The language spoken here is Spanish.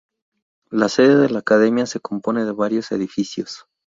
La sede de la academia se compone de varios edificios.